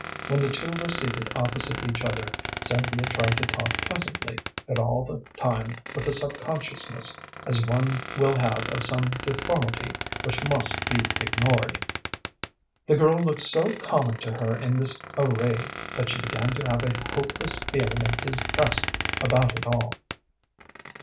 When the two were seated opposite each other, Cynthia tried to talk pleasantly, but all the time with a sub consciousness as one will have of some deformity which must be ignored. The girl looked so common to her in this array that she began to have a hopeless feeling of disgust about it all.